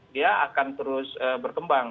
dia akan terus berkembang